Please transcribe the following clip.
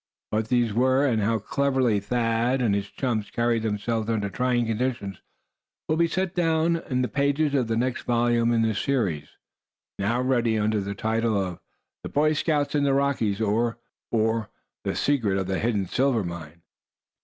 What these were, and how cleverly Thad and his chums carried themselves under trying conditions, will be found set down in the pages of the next volume in this Series, now ready under the title of "The Boy Scouts in the Rockies; or the Secret of the Hidden Silver Mine."